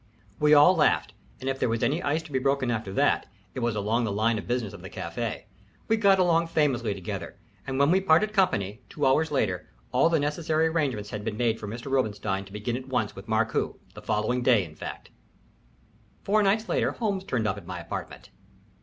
We all laughed, and if there was any ice to be broken after that it was along the line of business of the café. We got along famously together, and when we parted company, two hours later, all the necessary arrangements had been made for Mr. Robinstein to begin at once with Markoo the following day, in fact. Four nights later Holmes turned up at my apartment.